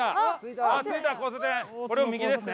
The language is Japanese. これを右ですね。